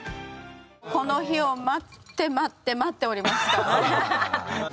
この日を待って待って待っておりました。